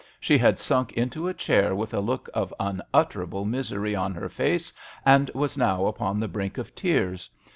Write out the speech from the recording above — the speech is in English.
She had sunk into a chair with a look of unutterable misery on her face and was now upon the brink of tears.